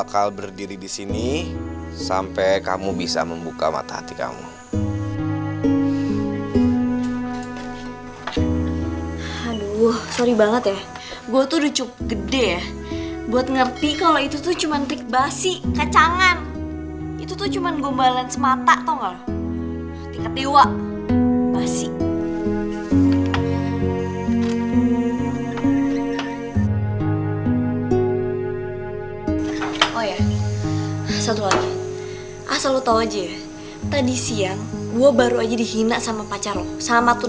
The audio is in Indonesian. kalau aku tuh cinta banget sama kamu